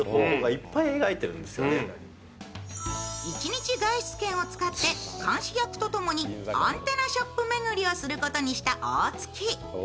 １日外出券を使って監視役とともにアンテナショップ巡りをすることにした大槻。